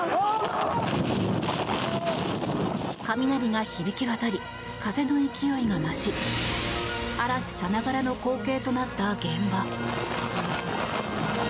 雷が響き渡り風の勢いが増し嵐さながらの光景となった現場。